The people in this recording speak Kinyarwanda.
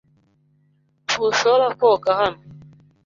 Ntushobora koga hano.